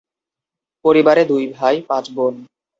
পরিবারে দুই ভাই, পাঁচ বোন।